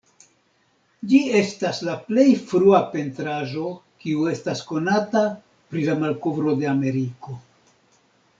Ĝi estas la plej frua pentraĵo kiu estas konata pri la malkovro de Ameriko.